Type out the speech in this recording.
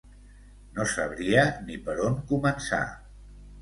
No sabria ni per on començar.